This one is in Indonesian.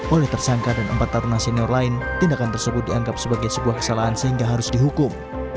oleh tersangka dan empat taruna senior lain tindakan tersebut dianggap sebagai sebuah kesalahan sehingga harus dihukum